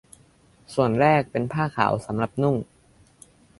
ส่วนแรกเป็นผ้าขาวสำหรับนุ่ง